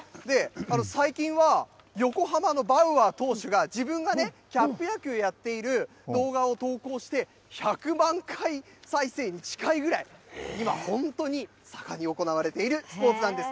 最近は、横浜のバウアー投手が自分がね、キャップ野球やっている動画を投稿して、１００万回再生に近いぐらい、今、本当に盛んに行われているスポーツなんです。